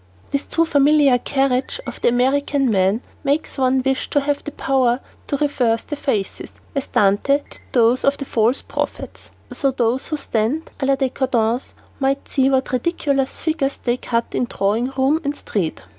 [Illustration: NO. 93] This too familiar carriage of the American man makes one wish to have the power to reverse the faces as Dante did those of the false prophets, so those who stand "à la decadence" might see what ridiculous figures they cut in drawing room and street.